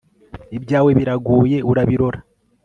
ibyawe biragoye urabirora